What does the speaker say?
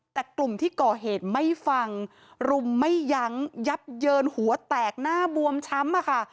แต่กลุ่มที่ก่อเหตุไม่ฟังรุมไม่ยั้งยับเยินหัวแตกหน้าบวมช้ำอะค่ะ